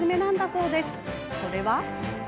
それは。